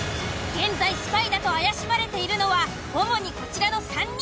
現在スパイだと怪しまれているのは主にこちらの３人。